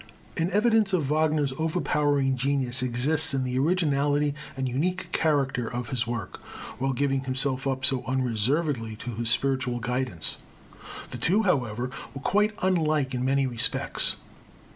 An evidence of Wagner's overpowering genius exists in the originality and unique character of his work, while giving himself up so unreservedly to this spiritual guidance. The two, however, were quite unlike in many respects.